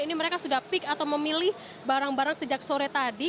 ini mereka sudah peak atau memilih barang barang sejak sore tadi